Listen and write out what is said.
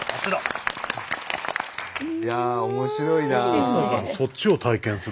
いやあ面白いなあ。